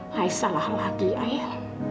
ma salah lagi ayah